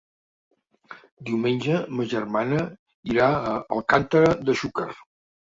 Diumenge ma germana irà a Alcàntera de Xúquer.